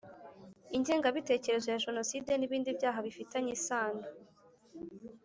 Ingengabitekerezo ya jenoside n ibindi byaha bifitanye isano